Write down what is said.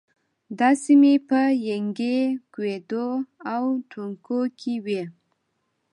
دا سیمې په ینګی، کویدو او ټونګو کې وې.